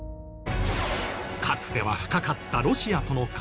かつては深かったロシアとの関係。